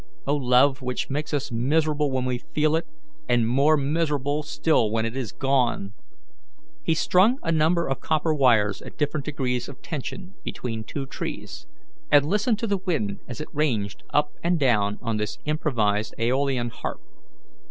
O love, which makes us miserable when we feel it, and more miserable still when it is gone!" He strung a number of copper wires at different degrees of tension between two trees, and listened to the wind as it ranged up and down on this improvised AEolian harp.